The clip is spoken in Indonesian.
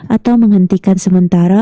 atau menghentikan sementara